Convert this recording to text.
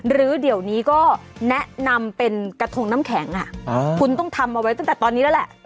หรือเดี๋ยวนี้ก็แนะนำเป็นกระทงน้ำแข็งคุณต้องทำเอาไว้ตั้งแต่ตอนนี้แล้วแหละ